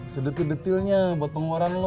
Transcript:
sedetil detilnya buat pengeluaran lo